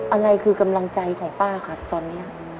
อะไรคือกำลังใจของป้าครับตอนนี้